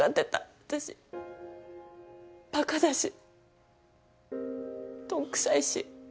私バカだし鈍くさいし。